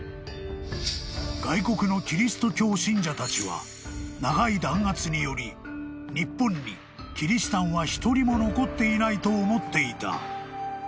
［外国のキリスト教信者たちは長い弾圧により日本にキリシタンは１人も残っていないと思っていた］